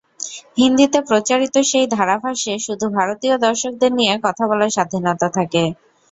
হিন্দিতে প্রচারিত সেই ধারাভাষ্যে শুধু ভারতীয় দর্শকদের নিয়ে কথা বলার স্বাধীনতা থাকে।